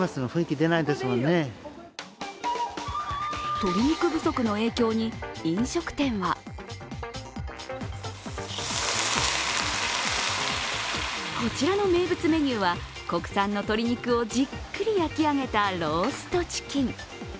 鶏肉不足の影響に飲食店はこちらの名物メニューは国産の鶏肉をじっくり焼き上げたローストチキン。